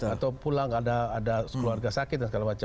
atau pulang ada keluarga sakit dan segala macam